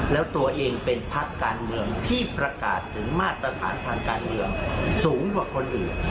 แล้วตัวเองเป็นพักการเมืองที่ประกาศถึงมาตรฐานทางการเมืองสูงกว่าคนอื่น